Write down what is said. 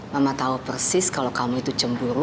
mama tahu persis kalau kamu itu cemburu